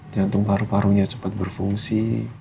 jantung paru parunya cepat berfungsi